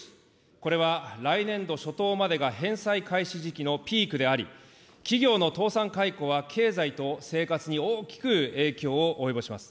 これは来年度初頭までが返済開始時期のピークであり、企業の倒産、解雇は経済と生活に大きく影響を及ぼします。